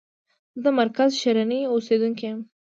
زه د مرکز شرنی اوسیدونکی یم.